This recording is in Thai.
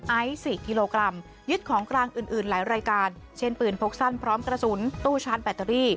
ไอซ์๔กิโลกรัมยึดของกลางอื่นอื่นหลายรายการเช่นปืนพกสั้นพร้อมกระสุนตู้ชาร์จแบตเตอรี่